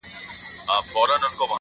له دوا او له طبیب سره یې ژوند وو،